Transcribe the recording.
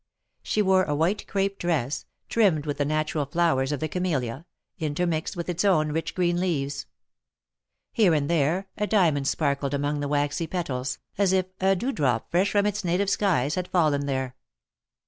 She wore a white crape dress, trimmed with the natural flowers of the camellia, intermixed with its own rich green leaves. Here and there a diamond sparkled among the waxy petals, as if a dewdrop fresh from its native skies had fallen there.